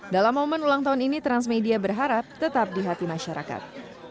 dalam momen ulang tahun ini transmedia berharap tetap di hati masyarakat